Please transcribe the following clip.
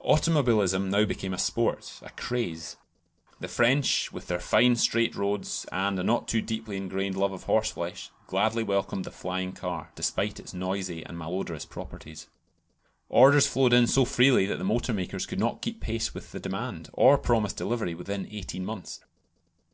Automobilism now became a sport, a craze. The French, with their fine straight roads, and a not too deeply ingrained love of horseflesh, gladly welcomed the flying car, despite its noisy and malodorous properties. Orders flowed in so freely that the motor makers could not keep pace with the demand, or promise delivery within eighteen months.